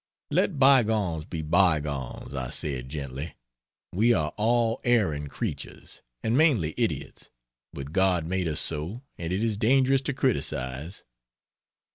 "Let bygones be bygones," I said, gently, "we are all erring creatures, and mainly idiots, but God made us so and it is dangerous to criticise."